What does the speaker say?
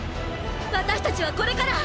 私たちはこれから！